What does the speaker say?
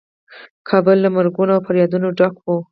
کابل له مرګونو او فریادونو ډک و.